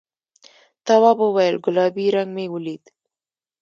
تواب وویل گلابي رنګ مې ولید.